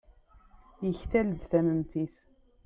yektal-d tamemt-is